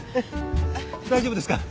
大丈夫ですか？